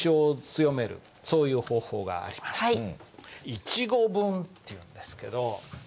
一語文っていうんですけど。